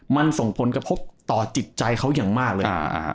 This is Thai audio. มันส่งผลกระทบต่อจิตใจเขาอย่างมากเลย